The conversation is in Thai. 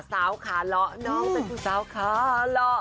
สาวขาเหลาน้องเป็นผู้สาวขาเหลา